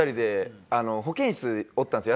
保健室おったんですよ